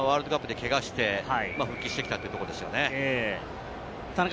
ワールドカップでけがをして復帰してきたというところですね。